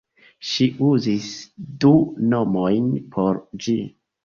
Ŝi uzis du nomojn por ĝi.